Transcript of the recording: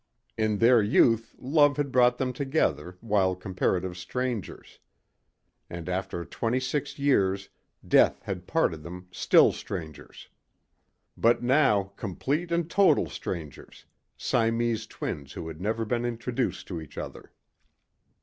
In their youth love had brought them together while comparative strangers. And after twenty six years death had parted them still strangers. But now complete and total strangers Siamese twins who had never been introduced to each other.